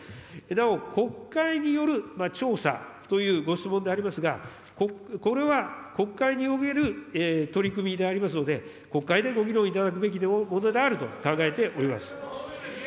なお、国会による調査というご質問でありますが、これは国会における取組でありますので、国会でご議論いただくべきものであると考えております。